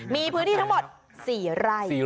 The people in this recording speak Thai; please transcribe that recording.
มีพื้นที่ทั้งหมด๔ไร่